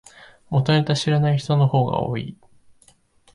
元ネタ知らない人の方が多い